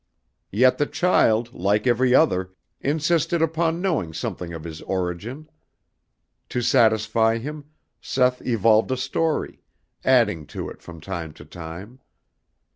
Yet the child, like every other, insisted upon knowing something of his origin. To satisfy him, Seth evolved a story, adding to it from time to time.